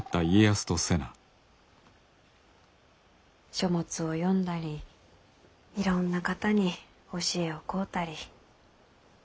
書物を読んだりいろんな方に教えを請うたり。